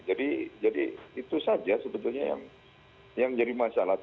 jadi itu saja sebetulnya yang menjadi masalah